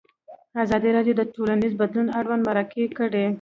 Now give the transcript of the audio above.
ازادي راډیو د ټولنیز بدلون اړوند مرکې کړي.